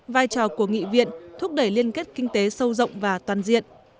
vai trò của nghị viện thúc đẩy liên kết kinh tế sâu rộng và toàn diện